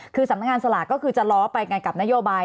คือสำนักงานสลากก็คือจะล้อไปกันกับนโยบาย